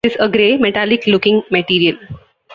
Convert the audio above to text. It is a grey, metallic looking material.